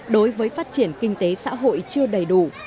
đối với phát triển kinh tế xã hội chưa đầy đủ